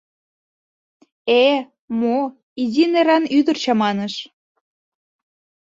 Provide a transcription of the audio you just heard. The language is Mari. Э-э-э, мо, изи неран ӱдыр чаманыш.